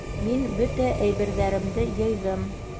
Мин бөтә әйберҙәремде йыйҙым.